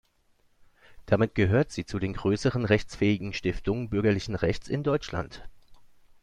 Damit gehört sie zu den größeren rechtsfähigen Stiftungen bürgerlichen Rechts in Deutschland.